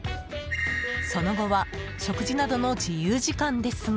その後は食事などの自由時間ですが